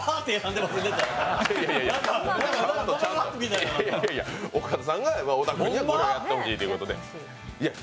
いやいや、岡田さんが小田君にはこれをやってほしいということで。